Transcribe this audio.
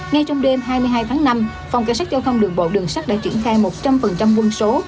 ngay trong đêm hai mươi hai tháng năm phòng cảnh sát giao thông đường bộ đường sắt đã triển khai một trăm linh quân số